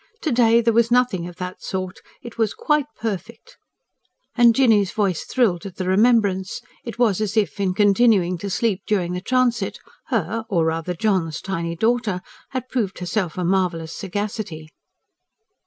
To day there was nothing of that sort. It was quite perfect"; and Jinny's voice thrilled at the remembrance: it was as if, in continuing to sleep during the transit, her or rather John's tiny daughter had proved herself a marvellous sagacity.